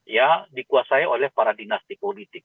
ya dikuasai oleh para dinasti politik